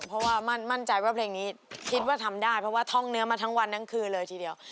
เพราะว่ามั่นใจว่าเพลงนี้คิดว่าทำได้เพราะว่าท่องเนื้อมาทั้งวันทั้งคืนเลยทีเดียว